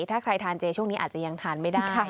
ถ้าใครทานเจช่วงนี้อาจจะยังทานไม่ได้